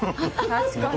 確かに！